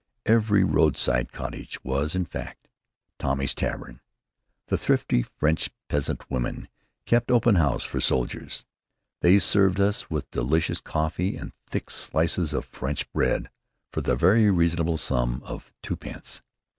Every roadside cottage was, in fact, Tommy's tavern. The thrifty French peasant women kept open house for soldiers. They served us with delicious coffee and thick slices of French bread, for the very reasonable sum of twopence.